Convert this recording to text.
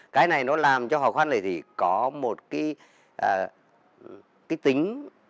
cái này nó làm cho hò khoan lệ thủy có một cái tính